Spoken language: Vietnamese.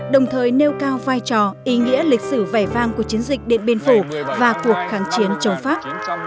đồng thời nêu cao vai trò ý nghĩa lịch sử vẻ vang của chiến dịch điện biên phủ và cuộc kháng chiến chống pháp